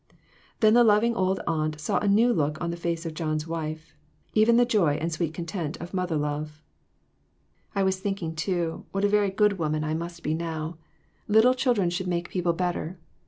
" Then the loving old aunt saw a new look on the face of John's wife, even the joy and sweet con tent of mother love. " I was thinking, too, what a very good woman 392 THREE OF US. I must be now. Little children should make people better.